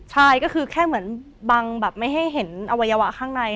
ใช่ก็คือแค่เหมือนบังแบบไม่ให้เห็นอวัยวะข้างใน